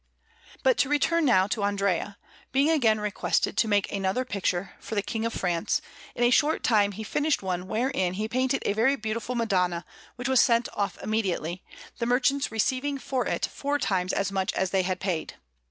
But to return now to Andrea: being again requested to make another picture for the King of France, in a short time he finished one wherein he painted a very beautiful Madonna, which was sent off immediately, the merchants receiving for it four times as much as they had paid.